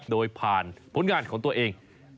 โดยผ่านผลงานของตัวเอง